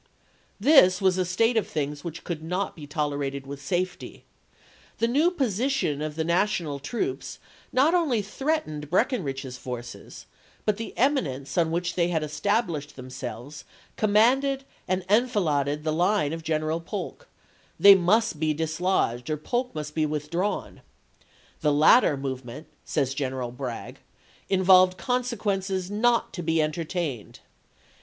This was a state of things which could not be tolerated with safety ; the new position of the national troops not only threatened Breckinridge's force, but the eminence on which they had established themselves com manded and enfiladed the line of General Polk; they must be dislodged or Polk must be withdrawn. " The latter " movement, says General Bragg, " in voi.'xx.. volved consequences not to be entertained."